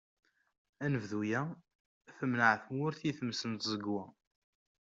Anebdu-a, temneε tmurt i tmes n tẓegwa.